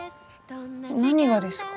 何がですか？